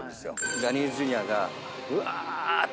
ジャニーズＪｒ．がぶわーって。